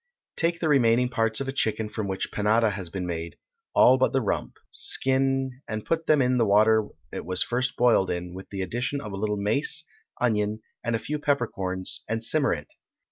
Take the remaining parts of a chicken from which panada has been made, all but the rump; skin, and put them into the water it was first boiled in, with the addition of a little mace, onion, and a few pepper corns, and simmer it.